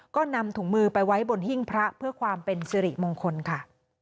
ก็นำถุงมือไปไว้บนหิ้งพระเพื่อความเป็นสิริมงคลค่ะ